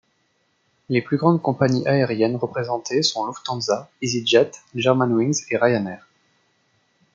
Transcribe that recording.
Les plus grandes compagnies aériennes représentées sont Lufthansa, easyJet, Germanwings et Ryanair.